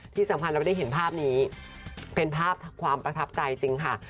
ที่สำคัญเราได้เห็นภาพนี้เป็นภาพความประทับใจจริงค่ะ